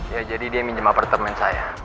ya jadi dia minjem apartemen saya